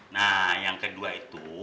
nah yang kedua itu